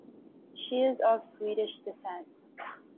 She is of Swedish descent.